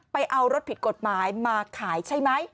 ไปเอารถผิดกฎหมายมาขายใช่ไหม